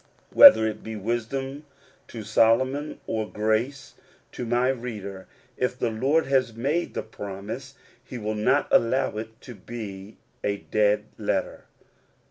Whether it be wisdom to Solomon or grace to my reader, if the Lord has made the promise, he will not allow it to be a dead letter.